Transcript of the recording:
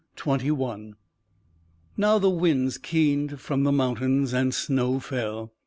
What? XXI Now the winds keened from the mountains, and snow fell.